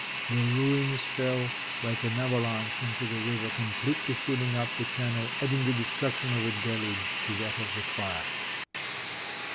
The ruins fell like an avalanche into the river, completely filling up its channel, adding the destruction of a deluge to that of the fire.